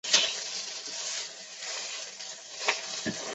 拜监察御史。